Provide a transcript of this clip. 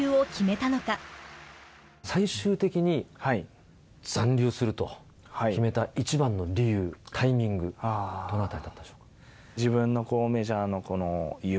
最終的に残留すると決めた一番の理由タイミングどのあたりだったんでしょう？